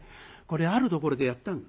これあるところでやったの。